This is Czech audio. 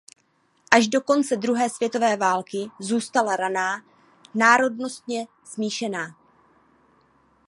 Až do konce druhé světové války zůstala Raná národnostně smíšená.